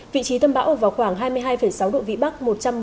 vị trí tâm bão ở vào khoảng hai mươi hai sáu độ vĩ bắc